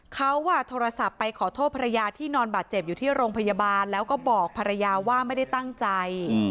เขาโทรศัพท์ไปขอโทษภรรยาที่นอนบาดเจ็บอยู่ที่โรงพยาบาลแล้วก็บอกภรรยาว่าไม่ได้ตั้งใจ